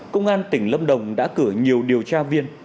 công an tỉnh lâm đồng đã cử nhiều điều tra viên